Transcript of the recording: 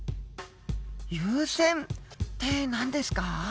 優占って何ですか？